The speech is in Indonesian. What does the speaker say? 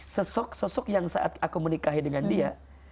sesok sesok yang saat aku menikahi dengan dia